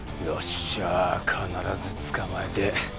よっしゃ必ず捕まえて